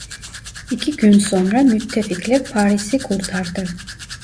İki gün sonra Müttefikler Paris'i kurtardı.